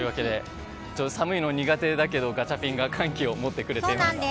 寒いのは苦手だけどガチャピンが寒気を持ってくれています。